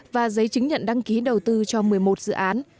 và giấy chứng nhận đăng ký đầu tư cho một mươi một dự án